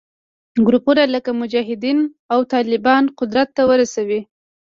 ګروپونه لکه مجاهدین او طالبان قدرت ته ورسوي